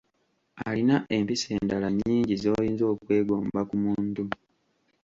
Alina empisa endala nnyingi z'oyinza okwegomba ku muntu.